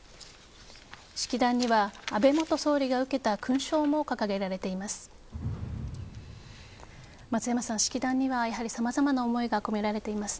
式壇には安倍元総理が受けた勲章も掲げられています。